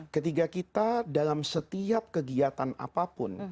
ketika kita dalam setiap kegiatan apapun